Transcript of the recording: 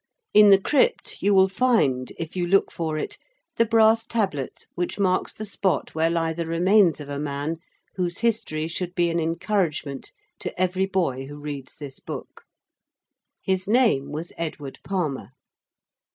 _)] In the crypt you will find, if you look for it, the brass tablet which marks the spot where lie the remains of a man whose history should be an encouragement to every boy who reads this book. His name was Edward Palmer.